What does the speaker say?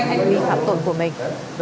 hành vi phạm tội của mình